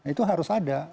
itu harus ada